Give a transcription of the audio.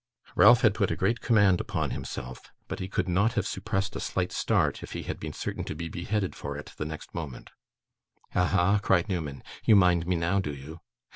Ralph had put a great command upon himself; but he could not have suppressed a slight start, if he had been certain to be beheaded for it next moment. 'Aha!' cried Newman, 'you mind me now, do you?